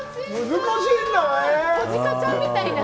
難しいんだね。